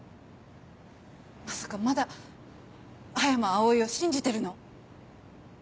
まさかまだ葉山葵を信じてるの？